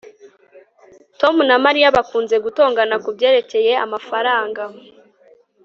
Tom na Mariya bakunze gutongana kubyerekeye amafaranga